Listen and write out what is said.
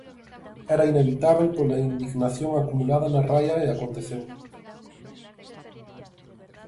Era inevitábel pola indignación acumulada na raia e aconteceu.